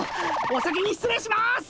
お先に失礼します！